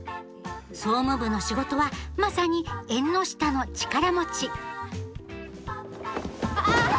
総務部の仕事はまさに縁の下の力持ちあ！